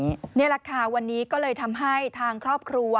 นี่แหละค่ะวันนี้ก็เลยทำให้ทางครอบครัว